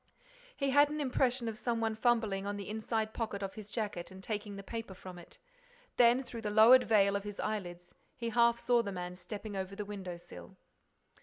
He had an impression of some one fumbling in the inside pocket of his jacket and taking the paper from it. Then, through the lowered veil of his eyelids, he half saw the man stepping over the window sill.